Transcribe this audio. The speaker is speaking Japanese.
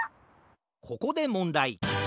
ここでもんだい！